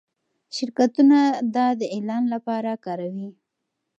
شرکتونه دا د اعلان لپاره کاروي.